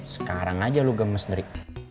sekarang aja lo gemes neri